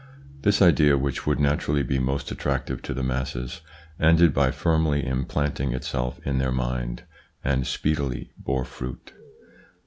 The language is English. This idea, which would naturally be most attractive to the masses, ended by firmly implanting itself in their mind, and speedily bore fruit.